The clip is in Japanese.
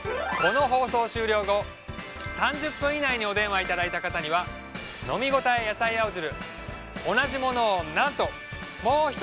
この放送終了後３０分以内にお電話いただいた方には飲みごたえ野菜青汁同じものを。